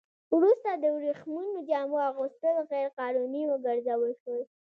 وروسته د ورېښمينو جامو اغوستل غیر قانوني وګرځول شول.